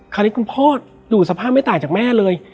คราวนี้คุณพ่อดูสภาพไม่ต่างจากแม่เลย